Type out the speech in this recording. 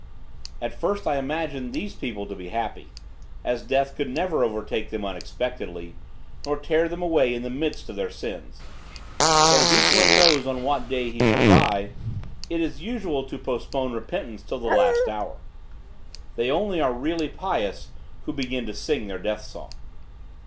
At first I imagined these people to be happy, as death could never overtake them unexpectedly, nor tear them away in the midst of their sins. But as each one knows on what day he shall die, it is usual to postpone repentance till the last hour. They only are really pious who begin to sing their death song.